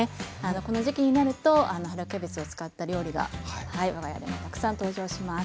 この時期になると春キャベツを使った料理が我が家でもたくさん登場します。